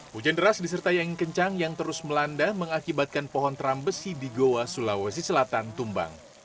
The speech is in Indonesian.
hujan deras disertai angin kencang yang terus melanda mengakibatkan pohon terambesi di goa sulawesi selatan tumbang